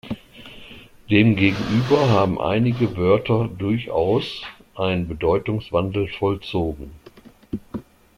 Demgegenüber haben einige Wörter durchaus einen Bedeutungswandel vollzogen.